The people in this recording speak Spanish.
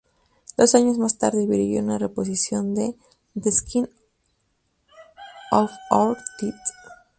Dos años más tarde brilló en una reposición de "The Skin of Our Teeth".